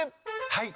はい。